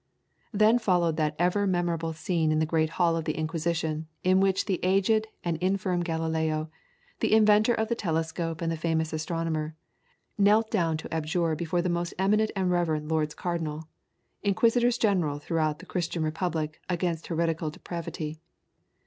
Then followed that ever memorable scene in the great hall of the Inquisition, in which the aged and infirm Galileo, the inventor of the telescope and the famous astronomer, knelt down to abjure before the most eminent and reverend Lords Cardinal, Inquisitors General throughout the Christian Republic against heretical depravity.